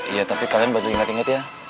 iya tapi kalian baru inget inget ya